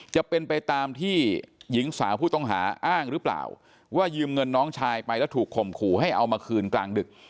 จะเป็นไปตามที่หญิงสาวผู้ต้องหาอ้างหรือเปล่าว่ายืมเงินน้องชายไปแล้วถูกข่มขู่ให้เอามาคืนกลางดึก